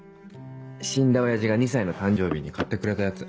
死んだ親父が２歳の誕生日に買ってくれたやつ。